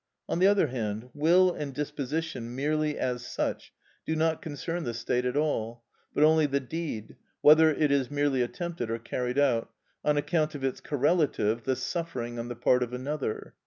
On the other hand, will and disposition, merely as such, do not concern the state at all, but only the deed (whether it is merely attempted or carried out), on account of its correlative, the suffering on the part of another.